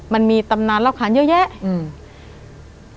มันมีตำนานเล่าขานเยอะแยะอืม